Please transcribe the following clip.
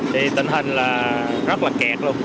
thì tình hình là rất là kẹt luôn